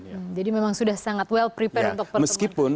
jadi memang sudah sangat well prepared untuk pertemuan